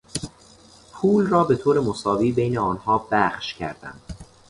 پول را به طور مساوی بین آنها بخش کردم.